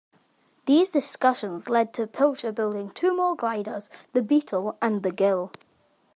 These discussions led to Pilcher building two more gliders, "The Beetle" and "The Gull".